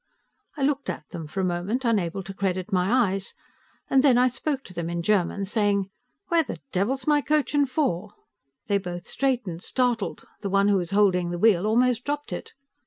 I looked at them for a moment, unable to credit my eyes, and then I spoke to them in German, saying, "Where the devil's my coach and four?" They both straightened, startled: the one who was holding the wheel almost dropped it.